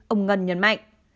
ông ngân nhấn mạnh